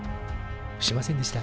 しませんでした。